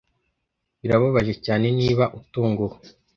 (birababaje cyane niba utunguwe)